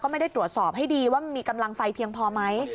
ไม่ได้ตรวจสอบให้ดีว่ามันมีกำลังไฟเพียงพอไหม